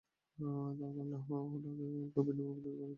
ফলে আল্লাহ তাকে উল্কাপিণ্ডে রূপান্তরিত করে দেন।